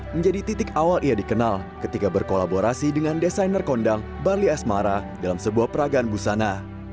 dua ribu sebelas menjadi titik awal ia dikenal ketika berkolaborasi dengan desainer kondang barli esmara dalam sebuah peragaan busana